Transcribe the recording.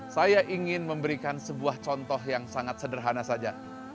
saya ingin memberikan sebuah contoh yang sangat sederhana saja